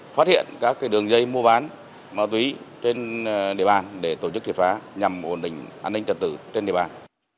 phát hiện các đường dây mua bán ma túy trên địa bàn để tổ chức hiệp phá nhằm ổn định an ninh trật tự trên địa bàn